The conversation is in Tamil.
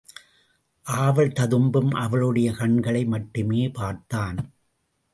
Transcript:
ஆவல் ததும்பும் அவளுடைய கண்களை மட்டுமே பார்த்தான்.